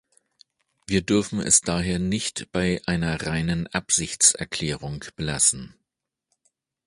Wir dürfen es daher nicht bei einer reinen Absichtserklärung belassen.